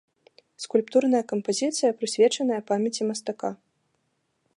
Скульптурная кампазіцыя, прысвечаная памяці мастака.